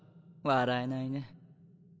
笑えないね。